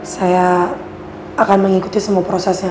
saya akan mengikuti semua prosesnya